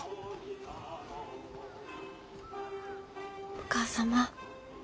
お義母様。